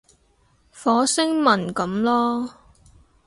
火星文噉囉